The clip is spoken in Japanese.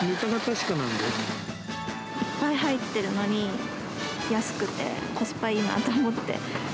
いっぱい入ってるのに、安くてコスパいいなと思って。